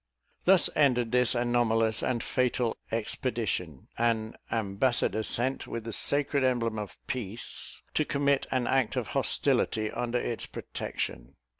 Thus ended this anomalous and fatal expedition: an ambassador sent with the sacred emblem of peace, to commit an act of hostility under its protection.